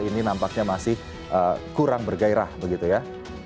ini nampaknya masih kurang bergairah begitu ya